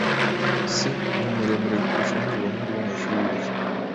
[S] Ni muremure kurusha abandi bahungu bo mu ishuri rye.